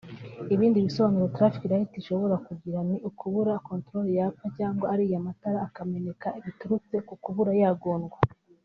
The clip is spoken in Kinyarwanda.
Ibindi bibazo ‘Traffic lights’ ishobora kugira ni ukuba controller yapfa cyangwa ariya matara akameneka biturutse ku kuba yagongwa